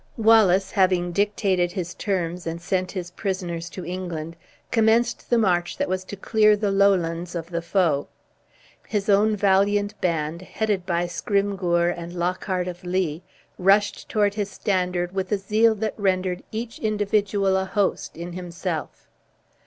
Wallace having dictated his terms and sent his prisoners to England, commenced the march that was to clear the Lowlands of the foe. His own valiant band, headed by Scrymgeour and Lockhart of Lee, rushed toward his standard, with a zeal that rendered each individual a host in himself.